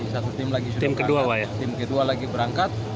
satu tim lagi sudah berangkat tim kedua lagi berangkat